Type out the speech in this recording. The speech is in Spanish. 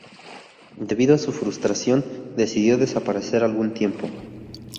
Debido a su frustración, decidió desaparecer algún tiempo.